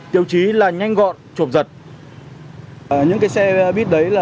tiêu chí là nhanh gọn trộm giật